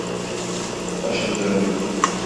Başım döndü.